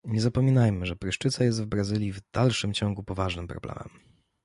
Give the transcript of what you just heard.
Nie zapominajmy, że pryszczyca jest w Brazylii w dalszym ciągu poważnym problemem